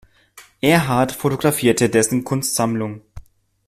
Ehrhardt fotografierte dessen Kunstsammlung.